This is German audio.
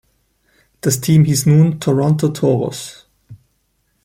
Das Team hieß nun Toronto Toros.